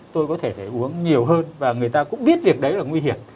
tôi có thể uống nhiều hơn và người ta cũng biết việc đấy là nguy hiểm